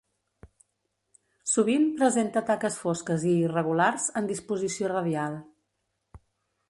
Sovint presenta taques fosques i irregulars en disposició radial.